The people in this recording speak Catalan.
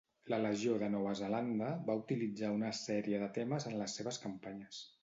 La Legió de Nova Zelanda va utilitzar una sèrie de temes en les seves campanyes.